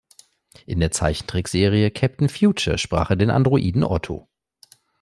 In der Zeichentrickserie "Captain Future" sprach er den Androiden Otto.